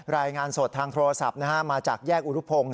รายงานสดทางโทรศัพท์มาจากแยกอุรุพงศ์